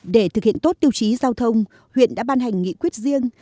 để thực hiện tốt tiêu chí giao thông huyện đã ban hành nghị quyết riêng